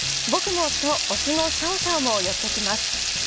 「僕も」とオスのシャオシャオも寄ってきます。